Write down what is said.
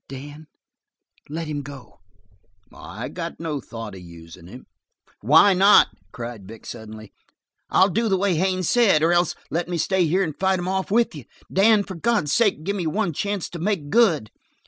"Dan, let him go!" "I got no thought of usin' him." "Why not?" cried Vic suddenly. "I'll do the way Haines said. Or else let me stay here and fight 'em off with you. Dan, for God's sake give me one chance to make good."